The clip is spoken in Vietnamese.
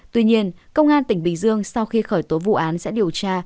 tuy nhiên công an tỉnh bình dương sau khi khởi tố vụ án sẽ điều tra